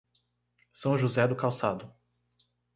São José do Calçado